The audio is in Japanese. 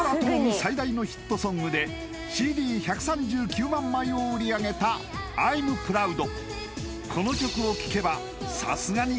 最大のヒットソングでＣＤ１３９万枚を売り上げた「Ｉ’ｍｐｒｏｕｄ」